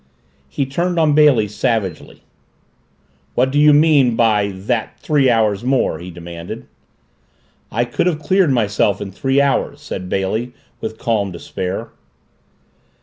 He turned on Bailey savagely. "What did you mean by that 'three hours more'?" he demanded. "I could have cleared myself in three hours," said Bailey with calm despair.